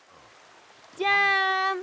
じゃん！